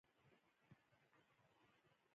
د تنخواګانو ورکړه د بانک له لارې په شفافه توګه کیږي.